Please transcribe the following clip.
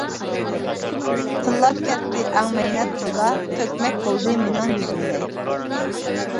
تىللاپ كەتتى ئەڭ مەينەت تىلدا، تۆكمەك بولدى مىنىڭ يۈزۈمنى.